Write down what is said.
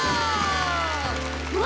うわ！